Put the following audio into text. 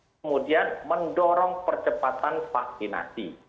kemudian mendorong percepatan vaksinasi